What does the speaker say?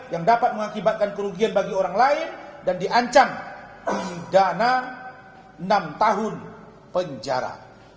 yang dapat mengakibatkan kerugian bagi orang lain dan diancam pidana enam tahun penjara